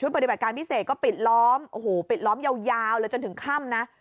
ปฏิบัติการพิเศษก็ปิดล้อมโอ้โหปิดล้อมยาวเลยจนถึงค่ำนะ